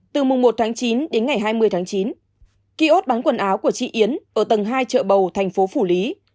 từ mùng một tháng chín đến ngày hai mươi tháng chín kiosk bán quần áo của chị yến ở tầng hai chợ bầu thành phố phủ lý